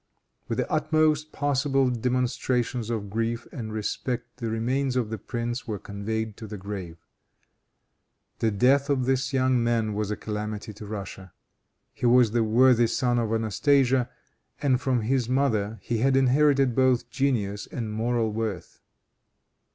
With the utmost possible demonstrations of grief and respect the remains of the prince were conveyed to the grave. The death of this young man was a calamity to Russia. He was the worthy son of Anastasia, and from his mother he had inherited both genius and moral worth.